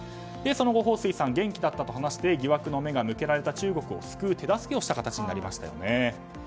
その後ホウ・スイさんが元気だったという話をして疑惑の目が向けられた中国を救う手助けをした形になりましたよね。